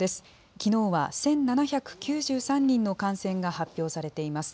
きのうは１７９３人の感染が発表されています。